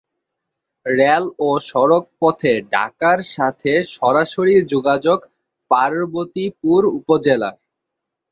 Rail ও সড়ক পথে ঢাকার সাথে সরাসরি যোগাযোগ পার্বতীপুর উপজেলার।